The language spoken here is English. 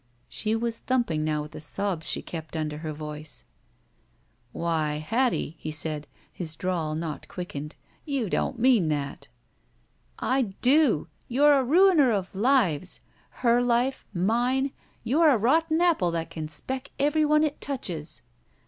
She was thumping now with the sobs she kept imder her voice. i6o THE SMUDGE "Why, Hattie," he said, his drawl not qttickened, *'you don't mean that!" "I do! You're a miner of lives ! Her life! Mine! You're a rotten apple that can speck every one it touches."